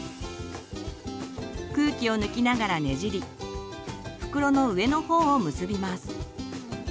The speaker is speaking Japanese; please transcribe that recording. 空気を抜きながらねじり袋の上のほうを結びます。